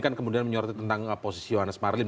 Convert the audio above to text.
kan kemudian menyorotkan tentang posisi yoness marlim